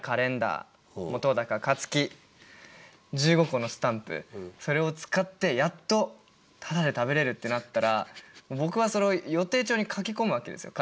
１５個のスタンプそれを使ってやっとタダで食べれるってなったら僕はそれを予定帳に書き込むわけですよ。